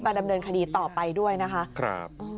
ดำเนินคดีต่อไปด้วยนะคะ